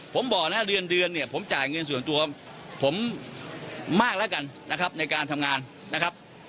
ผมบอกนะเดือนเดือนเนี่ยผมจ่ายเงินส่วนตัวผมมากแล้วกันนะครับในการทำงานนะครับ